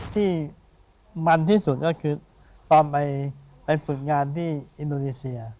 ที่มันที่สุดก็คือตอนไปฝึกงานที่อินโดนีเซีย